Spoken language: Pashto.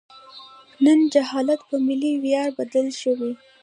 نن جهالت په ملي ویاړ بدل شوی.